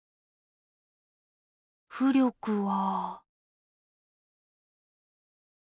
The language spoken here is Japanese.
浮力は。